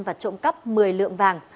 và trộm cắp một mươi lượng vàng